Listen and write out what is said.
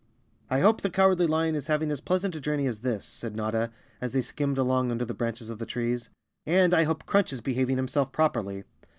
"I hope the Cowardly Lion is having as pleasant a journey as this," said Notta, as they skimmed along under the branches of the trees, "and I hope Crunch is behaving himself properly."